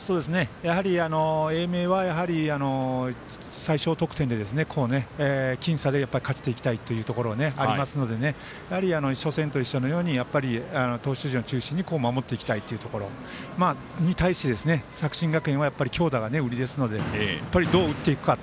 やはり英明は最少得点で僅差で勝っていきたいというところあるので初戦と一緒のように投手陣を中心に守っていきたいというところに対して作新学院は強打が売りですのでどう打っていくか。